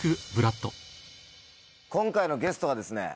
今回のゲストはですね